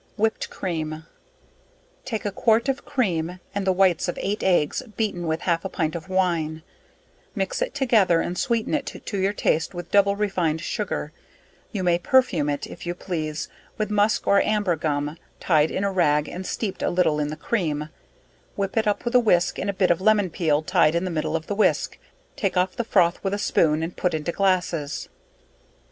Whipt Cream. Take a quart of cream and the whites of 8 eggs beaten with half a pint of wine; mix it together and sweeten it to your taste with double refined sugar, you may perfume it (if you please) with musk or Amber gum tied in a rag and steeped a little in the cream, whip it up with a whisk and a bit of lemon peel tyed in the middle of the whisk, take off the froth with a spoon, and put into glasses.